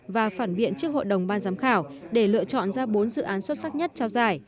và phản biện trước hội đồng ban giám khảo để lựa chọn ra bốn dự án xuất sắc nhất trao giải